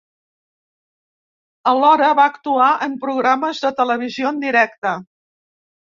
Alhora va actuar en programes de televisió en directe.